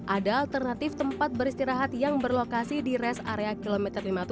ada alternatif tempat beristirahat yang berlokasi di rest area kilometer lima puluh tujuh